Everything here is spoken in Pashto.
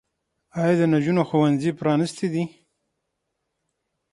آیا د نجونو ښوونځي پرانیستي دي؟